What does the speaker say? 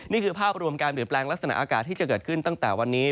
นี่คือภาพรวมการเปลี่ยนแปลงลักษณะอากาศที่จะเกิดขึ้นตั้งแต่วันนี้